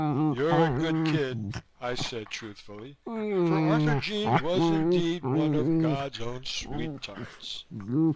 "You're a good kid," I said truthfully, for Arthurjean was indeed one of God's own sweet tarts.